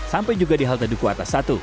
sampai juga di halte duku atas satu